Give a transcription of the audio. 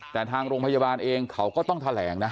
แต่ทางโรงพยาบาลเองเขาก็ต้องแถลงนะ